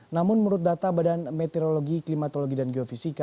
namun menurut data badan meteorologi klimatologi dan geofisika